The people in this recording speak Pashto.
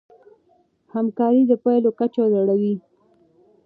همکاري د پايلو کچه لوړوي.